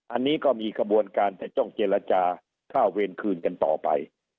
อันนี้ก็มีกระบวนการแต่ต้องเจรจาค่าเวรคืนกันต่อไป